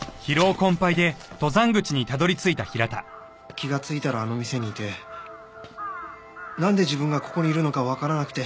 気がついたらあの店にいてなんで自分がここにいるのかわからなくて。